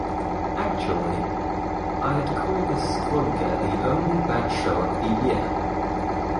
Actually, I'd call this clunker the only bad show of the year.